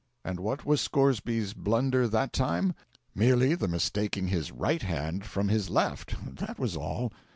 And what was Scoresby's blunder that time? Merely the mistaking his right hand for his left that was all.